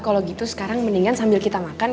kalau gitu sekarang mendingan sambil kita makan